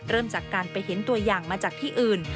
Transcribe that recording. เริ่มจากการไปเห็นตัวอย่างมาจากที่อื่น